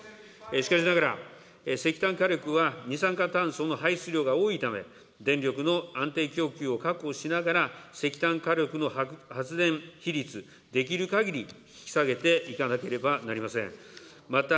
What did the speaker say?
しかしながら、石炭火力は二酸化炭素の排出量が多いため、電力の安定供給を確保しながら、石炭火力の発電比率、できるかぎり引き下げていかなければなりません。